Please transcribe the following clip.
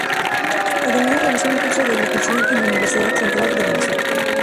Además realizó un curso de locución en la Universidad Central de Venezuela.